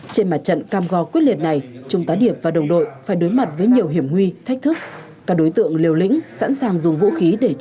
trên mặt trận cam go quyết liệt này trung tá điệp và đồng đội phải đối mặt với nhiều hiểm nguy thách thức